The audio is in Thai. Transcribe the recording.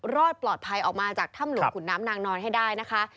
รอดปลอดภัยออกมาจากถ้ำหลวงขุนน้ำนางนอนให้ได้นะคะ